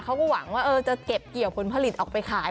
เขาก็หวังว่าจะเก็บเกี่ยวผลผลิตออกไปขาย